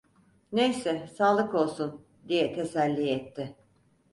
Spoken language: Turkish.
"Neyse sağlık olsun!" diye teselli etti.